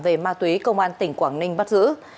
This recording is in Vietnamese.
về ma túy công an tỉnh quảng ninh bắt giữ